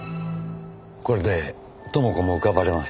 これで知子も浮かばれます。